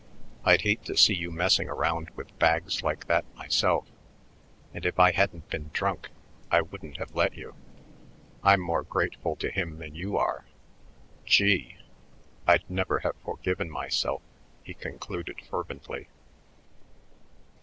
I'd hate to see you messing around with bags like that myself, and if I hadn't been drunk I wouldn't have let you. I'm more grateful to him than you are. Gee! I'd never have forgiven myself," he concluded fervently.